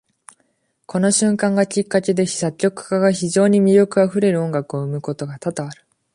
この瞬間がきっかけで、作曲家が非常に魅力溢れる音楽を生むことが多々ある。